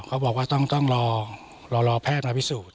เขาบอกว่าต้องรอแพทย์มาพิสูจน